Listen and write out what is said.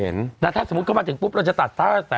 แต่ถ้าสมมติเข้ามาถึงปุ๊บเราจะตัด